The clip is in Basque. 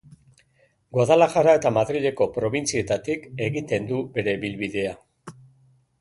Guadalajara eta Madrileko probintzietatik egiten du bere ibilbidea.